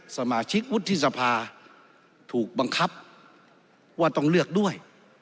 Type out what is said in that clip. สมาชิกวุฒิสภาถูกบังคับว่าต้องเลือกด้วย